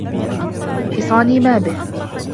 حصاني ما به؟